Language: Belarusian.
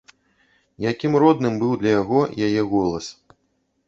Якім родным быў для яго яе голас!